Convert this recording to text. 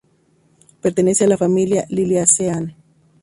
Pertenece a la familia Liliaceae.